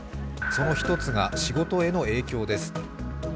その一つが仕事への影響です。